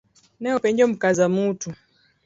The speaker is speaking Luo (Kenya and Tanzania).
Ne openjo Mkazamtu